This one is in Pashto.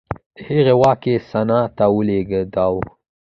د هغې واک یې سنا ته ولېږداوه